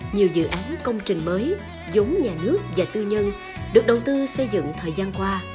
nhiều dự án công trình mới giống nhà nước và tư nhân được đầu tư xây dựng thời gian qua